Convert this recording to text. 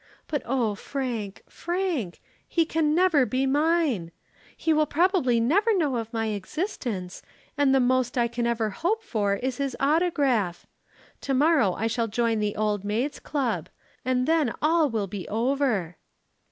But oh, Frank, Frank, he can never be mine. He will probably never know of my existence and the most I can ever hope for is his autograph. To morrow I shall join the Old Maids' Club, and then all will be over."